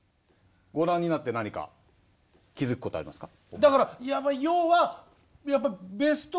ご覧になって何か気付くことありますか？